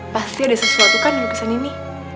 pasti ada sesuatu kan lukisan ini